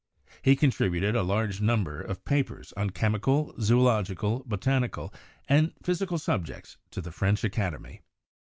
He contributed a large number of papers on chemical, zoological, botani cal, and physical subjects to the French Academy.